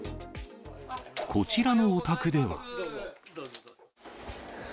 こちらのお宅では。